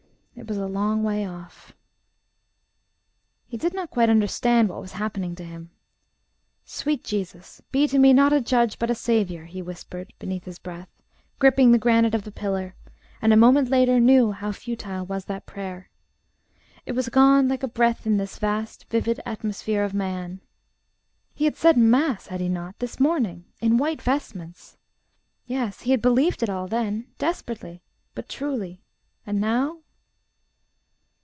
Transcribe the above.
It was a long way off.... He did not quite understand what was happening to him. "Sweet Jesus, be to me not a Judge but a Saviour," he whispered beneath his breath, gripping the granite of the pillar; and a moment later knew how futile was that prayer. It was gone like a breath in this vast, vivid atmosphere of man. He had said mass, had he not? this morning in white vestments. Yes; he had believed it all then desperately, but truly; and now....